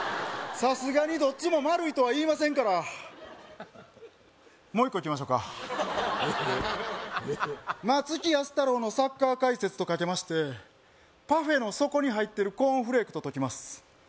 さすがに「どっちも丸い」とは言いませんからもう１個いきましょかええええ松木安太郎のサッカー解説とかけましてパフェの底に入ってるコーンフレークと解きます